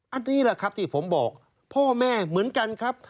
อันนี้แหละครับที่ผมบอกพ่อแม่เหมือนกันครับ